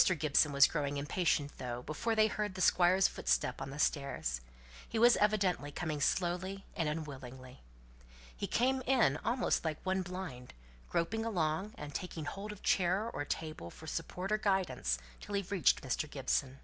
Gibson was growing impatient though, before they heard the Squire's footstep on the stairs; he was evidently coming slowly and unwillingly. He came in almost like one blind, groping along, and taking hold of chair or table for support or guidance till he reached Mr. Gibson.